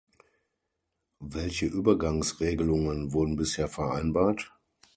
Welche Übergangsregelungen wurden bisher vereinbart?